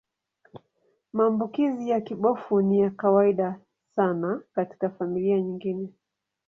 Maambukizi ya kibofu ni ya kawaida sana katika familia nyingine.